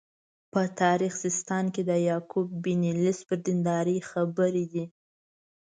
په تاریخ سیستان کې د یعقوب بن لیث پر دینداري خبرې دي.